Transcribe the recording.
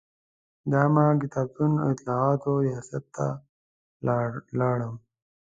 د عامه کتابتون او اطلاعاتو ریاست ته لاړم.